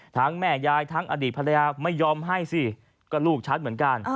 แม่ยายทั้งอดีตภรรยาไม่ยอมให้สิก็ลูกฉันเหมือนกัน